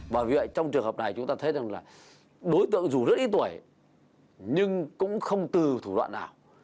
bởi vì trong trường hợp này chúng ta thấy rằng là đối tượng dù rất ít tuổi nhưng cũng không từ thủ đoạn nào